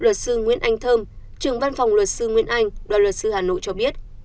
luật sư nguyễn anh thơm trưởng văn phòng luật sư nguyễn anh đoàn luật sư hà nội cho biết